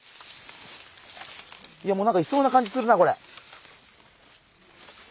いやもうなんかいそうな感じするなこれ。